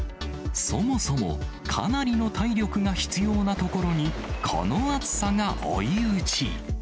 そもそも、かなりの体力が必要なところに、この暑さが追い打ち。